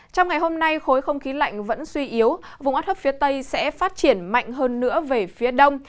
trong ngày hôm nay khối không khí lạnh vẫn suy yếu vùng áp thấp phía tây sẽ phát triển mạnh hơn nữa về phía đông